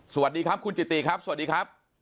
สวัสดีครับคุณจิติครับสวัสดีครับ